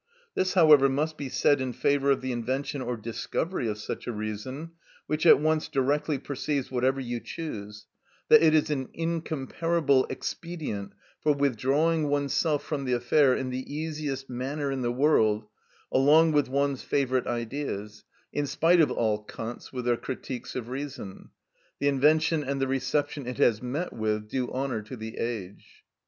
This, however, must be said in favour of the invention or discovery of such a reason, which at once directly perceives whatever you choose, that it is an incomparable expedient for withdrawing oneself from the affair in the easiest manner in the world, along with one's favourite ideas, in spite of all Kants, with their Critiques of Reason. The invention and the reception it has met with do honour to the age.